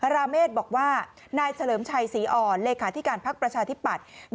ราเมฆบอกว่านายเฉลิมชัยศรีอ่อนเลขาธิการพักประชาธิปัตย์